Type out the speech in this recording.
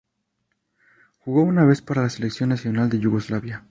Jugó una vez para la selección nacional de Yugoslavia.